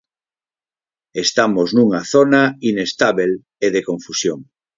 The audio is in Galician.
Estamos nunha zona inestábel e de confusión.